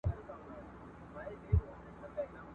هم په اوړي هم په ژمي به ناورین وو ..